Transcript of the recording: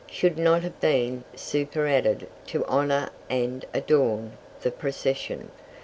should not have been super added to honour and adorn the procession.